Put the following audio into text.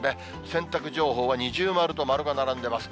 洗濯情報は二重丸と丸が並んでいます。